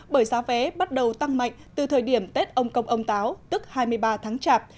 bởi giá vé bắt đầu tăng mạnh từ thời điểm tết ông công ông táo tức hai mươi ba tháng chạp